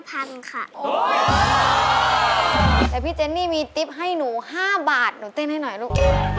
แต่พี่เจนนี่มีติ๊บให้หนู๕บาทหนูเต้นให้หน่อยลูก